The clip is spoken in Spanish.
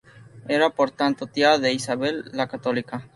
Era por tanto tía de Isabel la Católica.